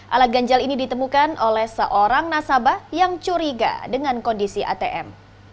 alat ganjal ini ditemukan oleh seorang nasabah yang curiga dengan kondisi atm